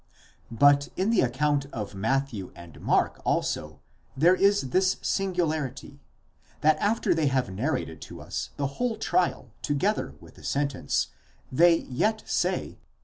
But in the account of Matthew and Mark also there is this singularity, that after they have narrated to us the whole trial together with the sentence, they yet (xxvii.